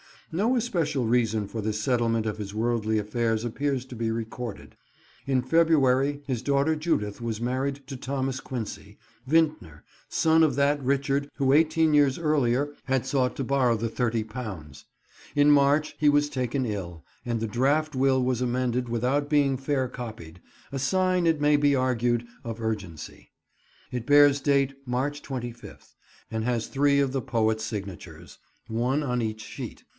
No especial reason for this settlement of his worldly affairs appears to be recorded. In February his daughter Judith was married to Thomas Quincy, vintner, son of that Richard who eighteen years earlier had sought to borrow the £30. In March he was taken ill and the draft will was amended without being fair copied, a sign, it may be argued, of urgency. It bears date March 25th, and has three of the poet's signatures; one on each sheet.